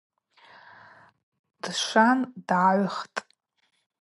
Дшван дгӏагӏвхтӏ.